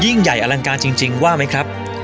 ยิ่งใหญ่อลังการจริงว่าไหมครับ